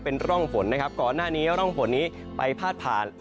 เป็นร่องฝนนะครับก่อนหน้านี้ร่องฝนนี้ไปพาดผ่าน